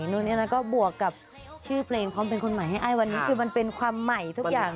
นู่นนี่นั่นก็บวกกับชื่อเพลงความเป็นคนใหม่ให้ไอ้วันนี้คือมันเป็นความใหม่ทุกอย่าง